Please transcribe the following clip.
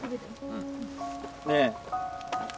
うん。ねえ。